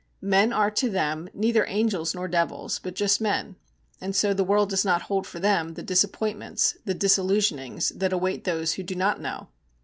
Men are to them neither angels nor devils, but just men, and so the world does not hold for them the disappointments, the disillusionings, that await those who do not know.